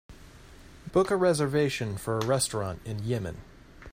Book a reservation for a restaurant in Yemen